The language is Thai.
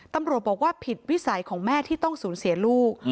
ตำรวจบอกว่าผิดวิสัยของแม่ที่ต้องสูญเสียลูก